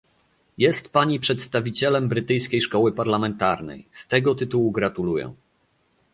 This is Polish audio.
Jest Pani przedstawicielem brytyjskiej szkoły parlamentarnej, z tego tytułu gratuluję